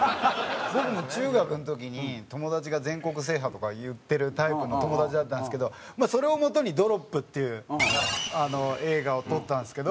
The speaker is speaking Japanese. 僕も中学の時に友達が「全国制覇」とか言ってるタイプの友達だったんですけどそれをもとに『ドロップ』っていう映画を撮ったんですけど。